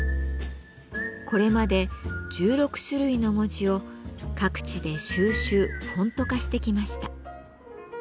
これまで１６種類の文字を各地で収集フォント化してきました。